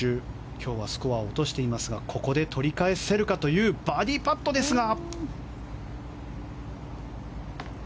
今日はスコアを落としているが取り返せるかというバーディーパットでした。